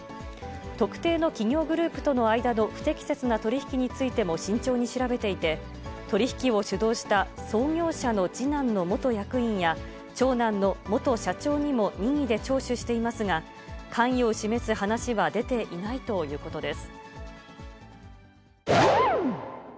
特定の企業グループとの間の不適切な取り引きについても慎重に調べていて、取り引きを主導した創業者の次男の元役員や、長男の元社長にも任意で聴取していますが、関与を示す話は出ていないということです。